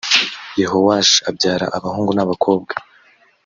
yehowashi abyara abahungu n’ abakobwa